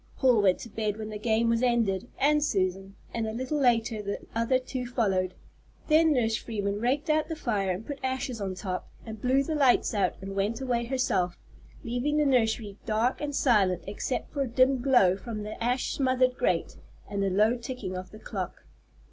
Paul went to bed when the game was ended, and Susan, and a little later the other two followed. Then Nurse Freeman raked out the fire and put ashes on top, and blew the lights out and went away herself, leaving the nursery dark and silent except for a dim glow from the ash smothered grate and the low ticking of the clock.